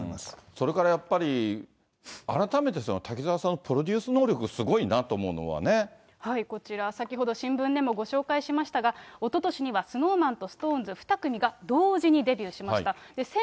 それからやっぱり、改めて、滝沢さんのプロデュース能力、こちら、先ほど新聞でもご紹介しましたが、おととしにはＳｎｏｗＭａｎとＳｉｘＴＯＮＥＳ２組が同時にデビューしました。